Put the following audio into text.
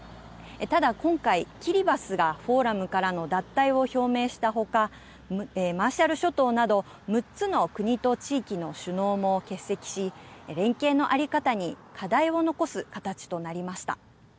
ただ今回キリバスがフォーラムからの脱退を表明したほかマーシャル諸島など６つの国と地域の首脳も欠席し連携の在り方に課題を残す形となりました。